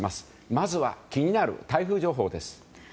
まずは気になる台風情報です。